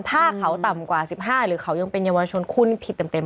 ถ้าเขาต่ำกว่า๑๕หรือเขายังเป็นเยาวชนคุณผิดเต็ม